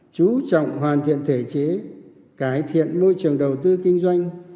chú trọng hoàn thiện thể chế cải thiện môi trường đầu tư kinh doanh